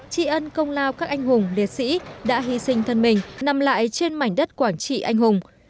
tri ân công lao các anh hùng liệt sĩ đã hy sinh thân mình nằm lại trên mảnh đất quảng trị anh hùng